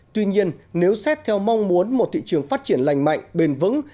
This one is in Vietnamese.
tuy nhiên nếu xét theo mong muốn một thị trường phát triển lành mạnh bền vững